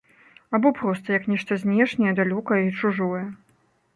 Або проста як нешта знешняе, далёкае і чужое.